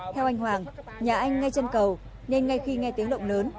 theo anh hoàng nhà anh ngay trên cầu nên ngay khi nghe tiếng động lớn